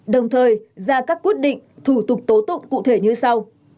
đồng thời ra các quyết định thủ tục tố tụng cụ thể như sau